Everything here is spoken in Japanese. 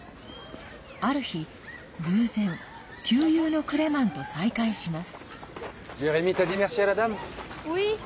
ある日、偶然旧友のクレマンと再会します。